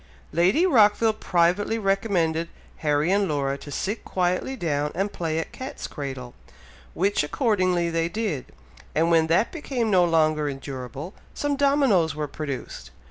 Lady Rockville privately recommended Harry and Laura to sit quietly down and play at cat's cradle, which accordingly they did, and when that became no longer endurable, some dominos were produced.